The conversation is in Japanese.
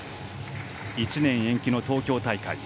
１年延期の東京大会。